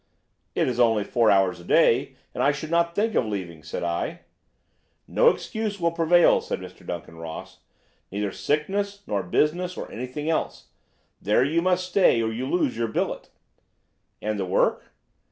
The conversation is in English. "'It's only four hours a day, and I should not think of leaving,' said I. "'No excuse will avail,' said Mr. Duncan Ross; 'neither sickness nor business nor anything else. There you must stay, or you lose your billet.' "'And the work?